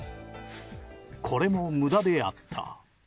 これも無駄であった。